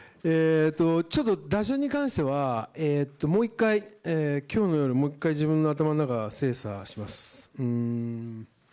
ちょっと打順に関しては今日の夜もう１回自分の頭の中を精査します。